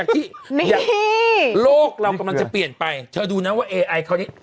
นี่เหมือนไม่อยู่เนี่ย